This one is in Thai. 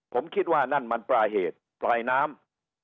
ผมคิดว่านั่นมันปลายเหตุปลายน้ำ